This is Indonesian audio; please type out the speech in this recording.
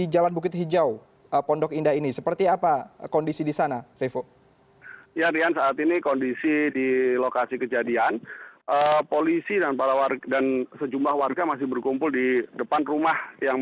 jalan bukit hijau sembilan rt sembilan rw tiga belas pondok indah jakarta selatan